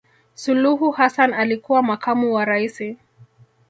suluhu hassan alikuwa makamu wa raisi